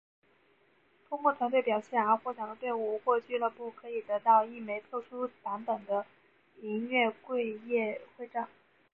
通过团队表现而获奖的队伍或俱乐部可以得到一枚特殊版本的银月桂叶徽章。